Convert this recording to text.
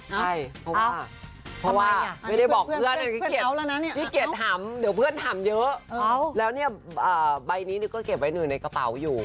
เหรอเอ้าทำไมนี่พี่เกียจถามเดี๋ยวเพื่อนถามเยอะแล้วใบนี้ก็เก็บไว้หนึ่งในกระเป๋าอยู่